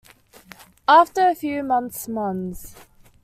After a few months Mons.